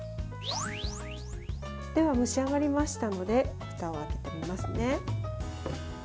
では蒸し上がりましたのでふたを開けてみますね。